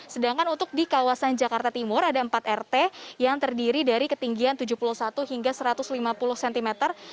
sedangkan untuk di kawasan jakarta timur ada empat rt yang terdiri dari ketinggian tujuh puluh satu hingga satu ratus lima puluh cm